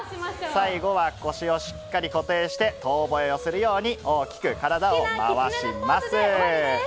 最後は腰をしっかり固定して遠ぼえをするように大きく体を回します。